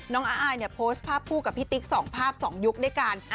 นางอาอายโพสต์ภาพคู่กับพี่ติ๊ก๒ภาพ๒ยุคใดกัน